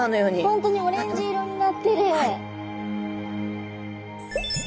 本当にオレンジ色になってる。